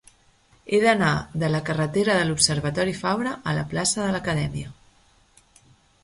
He d'anar de la carretera de l'Observatori Fabra a la plaça de l'Acadèmia.